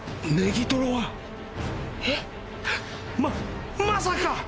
ままさか！